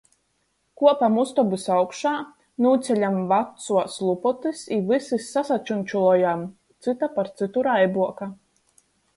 Kuopam ustobys augšā, nūceļam vacuos lupotys i vysys sasačunčulojam cyta par cytu raibuoka.